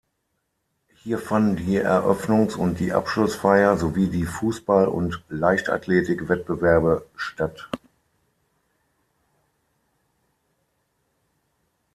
Hier fanden die Eröffnungs- und die Abschlussfeier, sowie die Fußball- und Leichtathletikwettbewerbe statt.